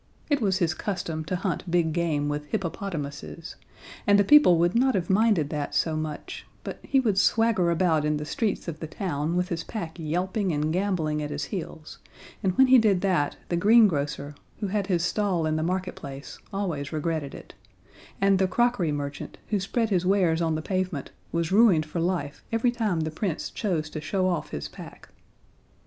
It was his custom to hunt big game with hippopotamuses, and people would not have minded that so much but he would swagger about in the streets of the town with his pack yelping and gamboling at his heels, and when he did that, the green grocer, who had his stall in the marketplace, always regretted it; and the crockery merchant, who spread his wares on the pavement, was ruined for life every time the Prince chose to show off his pack.